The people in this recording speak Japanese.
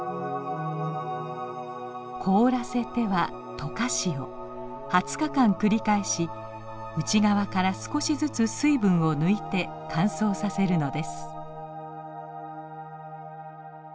凍らせては溶かしを２０日間繰り返し内側から少しずつ水分を抜いて乾燥させるのです。